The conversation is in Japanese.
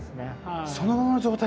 そのままの状態。